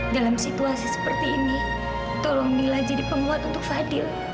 dalam situasi seperti ini tolong mila jadi penguat untuk fadil